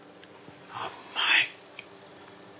うまい！